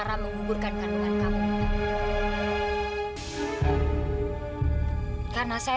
sampai jumpa di video selanjutnya